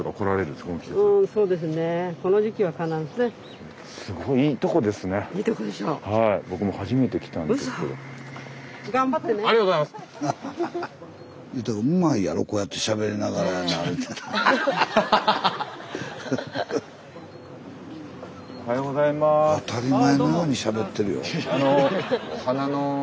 スタジオ当たり前のようにしゃべってるよ。